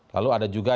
lalu ada juga